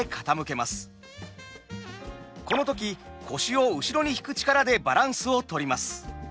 この時腰を後ろに引く力でバランスをとります。